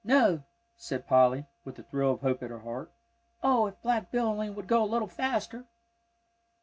"No," said Polly, with a thrill of hope at her heart. "Oh, if Black Bill only would go a little faster!"